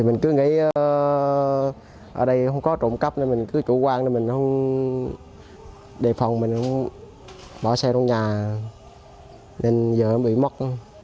mình cứ nghĩ ở đây không có trộm cấp nên mình cứ chủ quan mình không để phòng mình không bỏ xe trong nhà nên giờ em bị mất